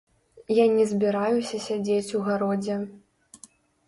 Я не збіраюся сядзець у гародзе.